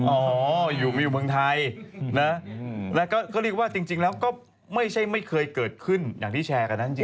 อ๋ออยู่มีอยู่เมืองไทยนะแล้วก็เรียกว่าจริงแล้วก็ไม่ใช่ไม่เคยเกิดขึ้นอย่างที่แชร์กันนั้นจริง